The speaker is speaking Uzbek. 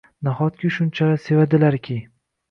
Nahotki shunchalar sevadilar-ki